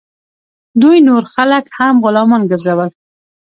دوی نور خلک هم غلامان ګرځول.